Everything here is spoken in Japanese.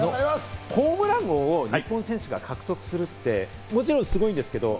ホームラン王を日本選手が獲得するって、もちろんすごいんですけれども。